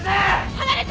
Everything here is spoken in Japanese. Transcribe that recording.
離れて！